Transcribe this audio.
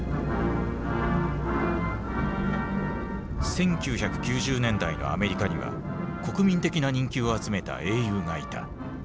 １９９０年代のアメリカには国民的な人気を集めた英雄がいた。